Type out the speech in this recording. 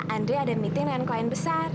andre ada meeting dengan klien besar